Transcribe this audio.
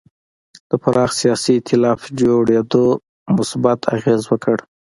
د پراخ سیاسي اېتلاف جوړېدو مثبت اغېز وکړ.